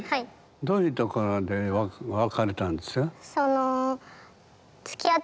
どういうところで別れたんですか？